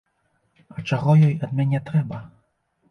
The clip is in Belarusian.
А чаго ёй ад мяне трэба?